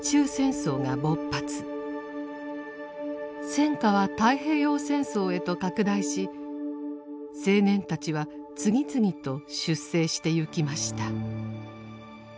戦火は太平洋戦争へと拡大し青年たちは次々と出征してゆきました。